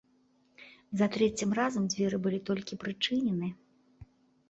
За трэцім разам дзверы былі толькі прычынены.